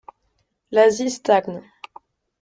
L'Asie stagne.